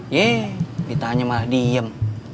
yee ditanya malah diem